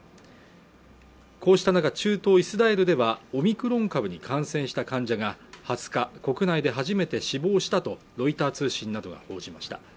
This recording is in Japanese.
こうした中、中東イスラエルではオミクロン株に感染した患者が２０日国内で初めて死亡したとロイター通信などが報じました